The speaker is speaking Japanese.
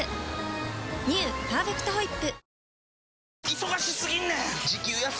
「パーフェクトホイップ」